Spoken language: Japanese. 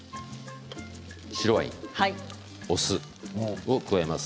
白ワイン、お酢を加えます。